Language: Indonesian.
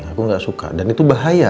aku gak suka dan itu bahaya